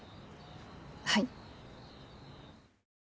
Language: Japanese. はい。